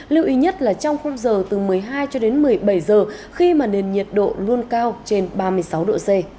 lưu ý nhất là trong không giờ từ một mươi hai một mươi bảy giờ khi mà nền nhiệt độ luôn cao trên ba mươi sáu độ c